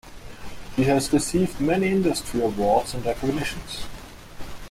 He has received many industry awards and recognitions.